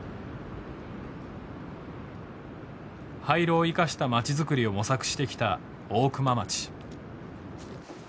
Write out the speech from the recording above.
廃炉を生かした町づくりを模索してきた大熊町。